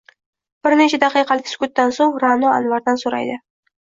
Bir necha daqiqalik sukutdan so’ng Ra’no Anvardan so’raydi: